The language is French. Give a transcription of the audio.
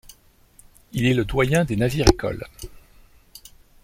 Il est le doyen des navires-écoles.